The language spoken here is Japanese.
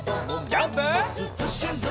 ジャンプ！